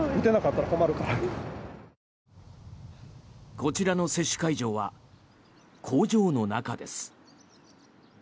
こちらの接種会場は工場の中です。